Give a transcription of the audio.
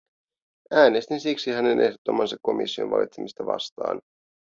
Äänestin siksi hänen ehdottamansa komission valitsemista vastaan.